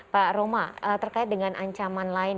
pak roma terkait dengan ancaman lain